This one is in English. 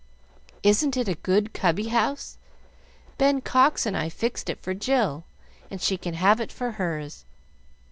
"Isn't it a good cubby house? Ben Cox and I fixed it for Jill, and she can have it for hers.